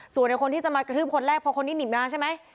ส่วนไอ้คนที่จะมากระทืบคนแรกเพราะคนที่หนีบมาใช่ไหม